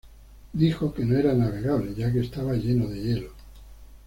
Dijo que no era navegable, ya que estaba lleno de hielo.